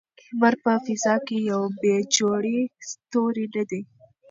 لمر په فضا کې یو بې جوړې ستوری نه دی.